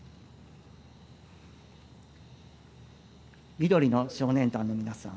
緑の少年団の皆さん